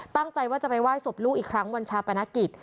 ตั้งใจว่าจะไปไหว้ศพลูกอีกครั้งวันชาปนกิจ